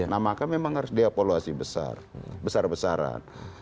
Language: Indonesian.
nah maka memang harus dievaluasi besar besaran